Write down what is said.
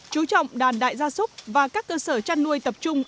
chú trọng đàn đại gia súc và các cơ sở chăn nuôi tập trung